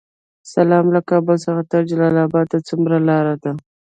سلام، له کابل څخه تر جلال اباد څومره لاره ده؟